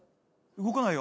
動かないよ。